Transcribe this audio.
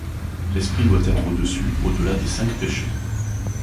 L'esprit doit être au-dessus, au-delà de ces cinq péchés.